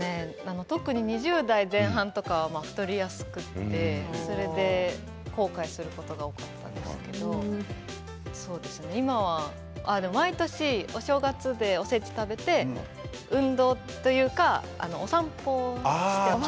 特に２０代前半とかが太りやすくてそれで後悔することが多かったですけど、そうですね毎年、お正月におせちを食べて運動というかお散歩をしています。